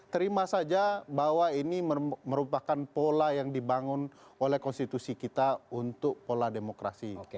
terima saja bahwa ini merupakan pola yang dibangun oleh konstitusi kita untuk pola demokrasi